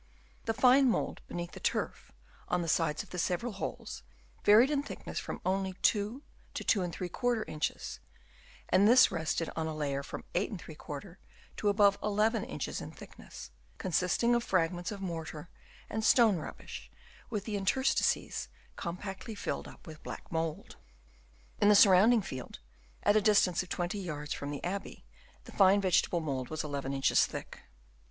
The fine mould beneath the turf on the sides of the several holes, varied in thickness from only 2 to 2| inches, and this rested on a layer from 8| to above 11 inches in thickness, consisting of fragments of mortar and stone rubbish with the interstices compactly filled up with black mould. In the surrounding field, at a distance of 20 vards from the abbey, the fine vegetable mould was 1 1 inches thick.